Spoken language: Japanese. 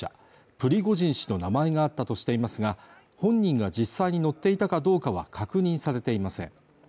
プリゴジン氏の名前があったとしていますが本人が実際に乗っていたかどうかは確認されていません